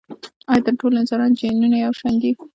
ایا د ټولو انسانانو جینونه یو شان دي؟